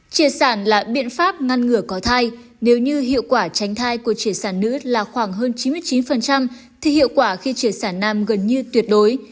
chia sản là biện pháp ngăn ngừa có thai nếu như hiệu quả tránh thai của trẻ sản nữ là khoảng hơn chín mươi chín thì hiệu quả khi chia sản nam gần như tuyệt đối